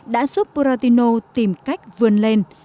đã giúp pratino tìm cách vươn lên